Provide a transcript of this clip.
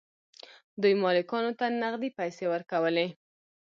دوی مالکانو ته نغدې پیسې ورکولې.